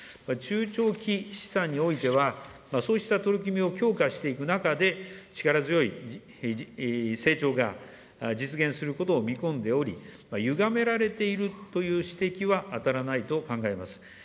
中長期試算においては、そうした取り組みを強化していく中で、力強い成長が実現することを見込んでおり、ゆがめられているという指摘はあたらないと考えます。